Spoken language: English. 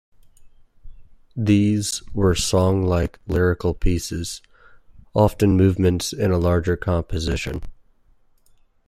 These were song-like, lyrical pieces, often movements in a larger composition.